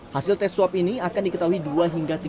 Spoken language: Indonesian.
hasil tes swab ini akan diketahui dua hingga tiga hari